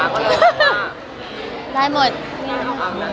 เพราะว่านู้แน่น